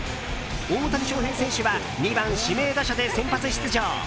大谷翔平選手は２番指名打者で先発出場。